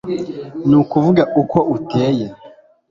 Nakuvuga uko uteye